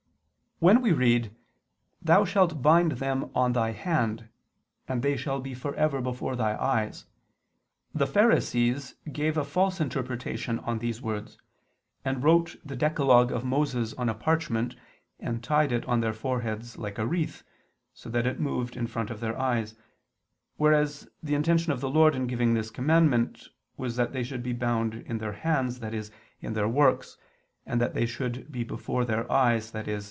When we read: "Thou shalt bind them on thy hand, and they shall be ever before thy eyes [Vulg.: 'they shall be and shall move between thy eyes'], the Pharisees gave a false interpretation to these words, and wrote the decalogue of Moses on a parchment, and tied it on their foreheads like a wreath, so that it moved in front of their eyes": whereas the intention of the Lord in giving this commandment was that they should be bound in their hands, i.e. in their works; and that they should be before their eyes, i.e.